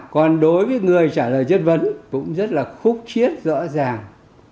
còn đối với người trả lời chất vấn cũng rất là khúc chiết rõ ràng